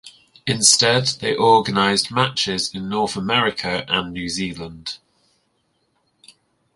Instead, they organised matches in North America and New Zealand.